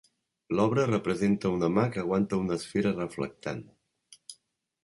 L'obra representa una mà que aguanta una esfera reflectant.